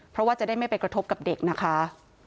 เพราะว่าจะได้ไม่ไปกระทบกับเด็กนะคะ